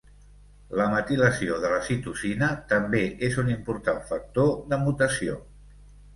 La metilació de la citosina també és un important factor de mutació.